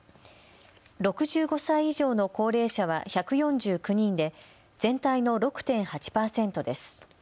６５歳以上の高齢者は１４９人で全体の６．８％です。